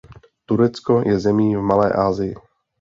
Turecko je zemí v Malé Asii.